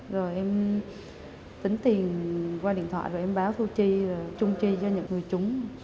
rồi em tính tiền qua điện thoại rồi em báo thu chi trung chi cho những người chúng